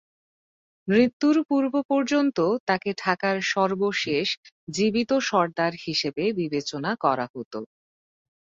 মৃত্যুর পূর্ব পর্যন্ত তাকে ঢাকার সর্বশেষ জীবিত সরদার হিসেবে বিবেচনা করা হতো।